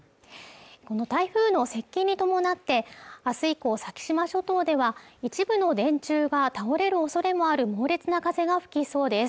この台風の接近に伴ってあす以降先島諸島では一部の電柱が倒れるおそれもある猛烈な風が吹きそうです